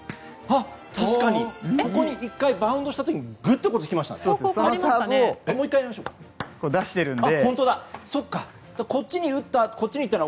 確かにここで１回バウンドした時にぐっと、こっち来ましたね。